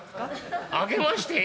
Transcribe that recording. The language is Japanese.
「あけまして？」。